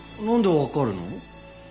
なんでわかるの？